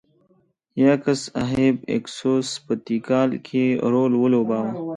یاکس اهب اکسوک په تیکال کې رول ولوباوه.